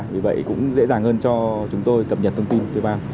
vì vậy cũng dễ dàng hơn cho chúng tôi cập nhật thông tin thuê bao